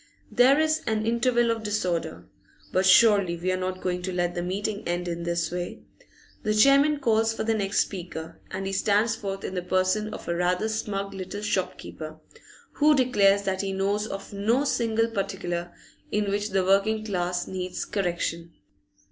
There is an interval of disorder. But surely we are not going to let the meeting end in this way. The chairman calls for the next speaker, and he stands forth in the person of a rather smug little shopkeeper, who declares that he knows of no single particular in which the working class needs correction.